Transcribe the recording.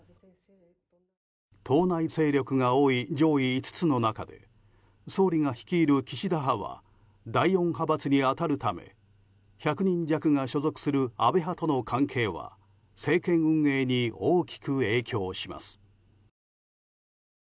党内勢力が多い上位５つの中で総理が率いる岸田派は第４派閥に当たるため１００人弱が所属する安倍派との関係は政権運営に大きく影響します。